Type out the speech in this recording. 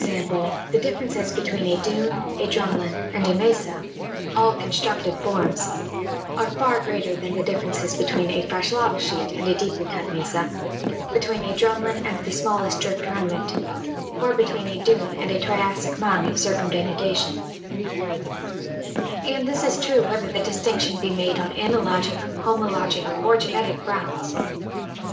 g. the differences between a dune, a drumlin and a mesa (all constructive forms) are far greater than the differences between a fresh lava sheet and a deeply cut mesa, between a drumlin and the smallest drift remnant, or between a dune and a Triassic mound of circumdenudation ; and this is true whether the distinc tion be made on analogic, homologic, or genetic grounds.